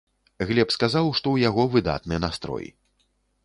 Глеб сказаў, што ў яго выдатны настрой.